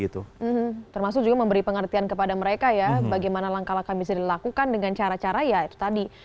termasuk juga memberi pengertian kepada mereka ya bagaimana langkah langkah bisa dilakukan dengan cara cara ya itu tadi